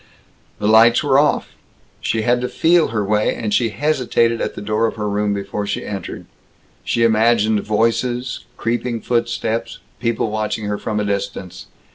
The lights were off. She had to feel her way, and she hesitated at the door of her room before she entered. She imagined voices, creeping footsteps, people watching her from a distance.